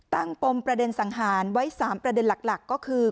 ปมประเด็นสังหารไว้๓ประเด็นหลักก็คือ